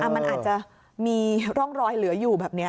มันอาจจะมีร่องรอยเหลืออยู่แบบนี้